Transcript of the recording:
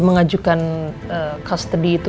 mengajukan custody itu